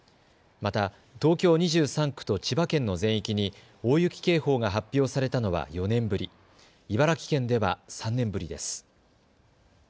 また東京２３区と千葉県の全域に大雪警報が発表されたのは４年ぶり、茨城県では３年ぶりです。